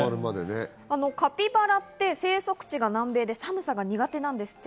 カピバラって生息地が南米で寒さが苦手なんですって。